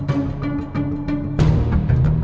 เราก็ไม่คิดเลย